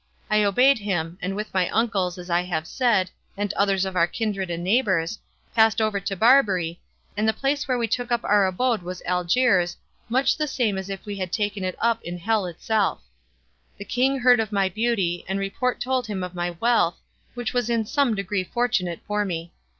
I obeyed him, and with my uncles, as I have said, and others of our kindred and neighbours, passed over to Barbary, and the place where we took up our abode was Algiers, much the same as if we had taken it up in hell itself. The king heard of my beauty, and report told him of my wealth, which was in some degree fortunate for me.